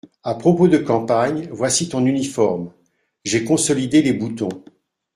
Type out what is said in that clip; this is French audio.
À propos de campagne, voici ton uniforme, j’ai consolidé les boutons…